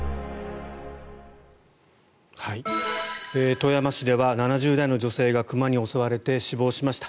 富山市では７０代の女性が熊に襲われて死亡しました。